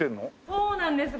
そうなんです。